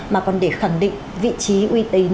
mà còn để khẳng định vị trí uy tín